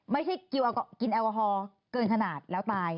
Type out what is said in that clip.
ไม่ใช่กินแอลกอฮอล์เกินขนาดแล้วตาย